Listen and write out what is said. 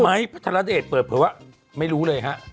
พระธรเดชเปิดเผยว่าไม่รู้เลยฮะ